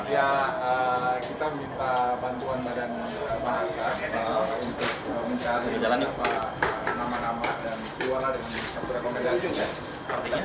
ya kita minta bantuan badan bahasa untuk menjelaskan nama nama dan jualan yang bisa direkomendasikan